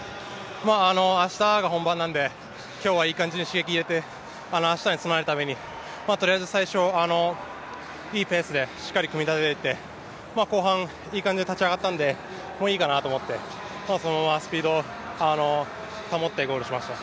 明日が本番なんで、今日はいい感じに刺激を入れて明日に備えるために、とりあえず最初、いいペースでしっかり組み立てれて、後半、いい感じで立ち上がれたんでもういいかなと思って、そのままスピード保ってゴールしました。